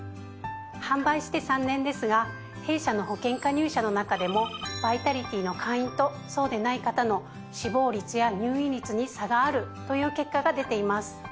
販売して３年ですが弊社の保険加入者の中でも「Ｖｉｔａｌｉｔｙ」の会員とそうでない方の死亡率や入院率に差があるという結果が出ています。